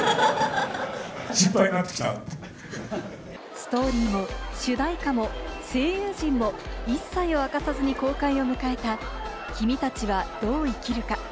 ストーリーも主題歌も声優陣も一切を明かさずに公開を迎えた『君たちはどう生きるか』。